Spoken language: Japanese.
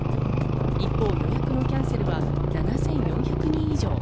一方、予約のキャンセルは７４００人以上。